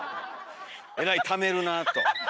「えらいためるなあ」と。